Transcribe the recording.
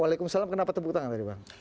waalaikumsalam kenapa tepuk tangan tadi bang